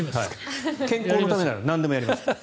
健康のためならなんでもやりますから。